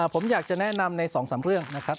ผมอยากจะแนะนำใน๒๓เรื่องนะครับ